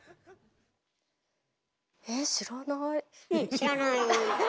知らない⁉え？